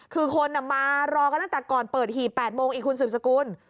คือคนมารอกันตั้งแต่ก่อนเปิดหีบ๘โมงอีกคุณสืบสกุล